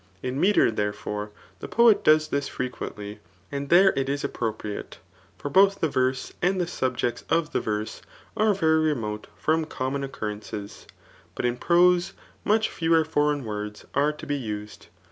In metre, therefore, the poet does this frequently, and there it is appropriate ; for both the verse, and the subjects of the verse, are very remote from common occurrences ; but in prose much fewer foreign words are to be used.